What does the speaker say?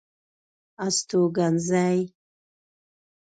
استوګنځي